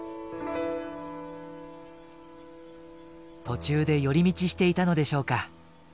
途中で寄り道していたのでしょうか。